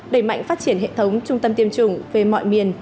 đẩy mạnh phát triển hệ thống trung tâm tiêm chủng về mọi miền